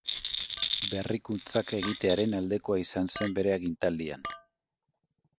Berrikuntzak egitearen aldekoa izan zen bere agintaldian.